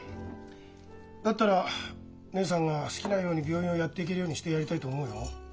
だったら義姉さんが好きなように病院をやっていけるようにしてやりたいと思うよ。